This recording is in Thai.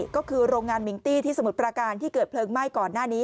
ก็คือโรงงานมิงตี้ที่สมุทรประการที่เกิดเพลิงไหม้ก่อนหน้านี้